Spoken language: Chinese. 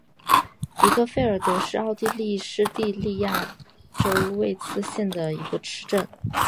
比克费尔德是奥地利施蒂利亚州魏茨县的一个市镇。